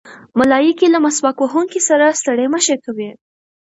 ملایکې له مسواک وهونکي سره ستړې مه شي کوي.